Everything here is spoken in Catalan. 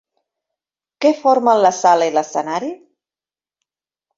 Què formen la sala i l'escenari?